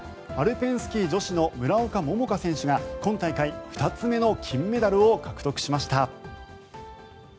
アルペンスキー女子の村岡桃佳選手が今大会２つ目の金メダルを獲得しました。